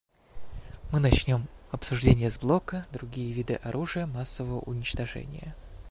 Мы начнем обсуждение с блока «Другие виды оружия массового уничтожения».